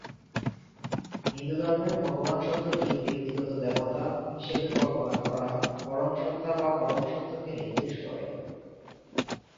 হিন্দুধর্মে, ভগবান শব্দটি ব্যক্তিগত দেবতা হিসেবে কল্পনা করা পরম সত্তা বা পরম সত্যকে নির্দেশ করে।